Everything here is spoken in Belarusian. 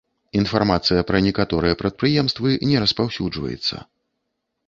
Інфармацыя пра некаторыя прадпрыемствы не распаўсюджваецца.